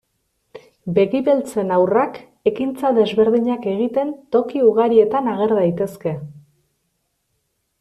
Begi beltzen haurrak ekintza desberdinak egiten toki ugarietan ager daitezke.